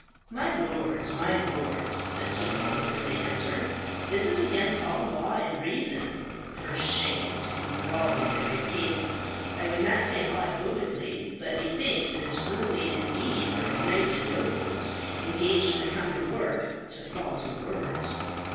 "My lords, my lords," said King Phillip when they entered, "this is against all law and reason. For shame, to be brawling at my table. I would not say aught openly, but methinks it is early indeed for the knights and nobles engaged in a common work to fall to words."